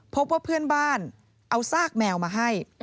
พบว่าเพื่อนบ้านเอาซากแมวมาให้